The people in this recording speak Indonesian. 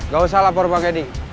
gak usah lapor bang edi